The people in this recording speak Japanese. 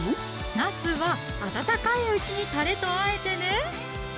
なすは温かいうちにたれとあえてね！